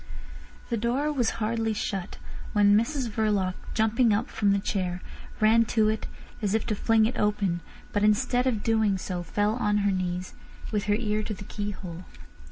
The door was hardly shut when Mrs Verloc, jumping up from the chair, ran to it as if to fling it open, but instead of doing so fell on her knees, with her ear to the keyhole.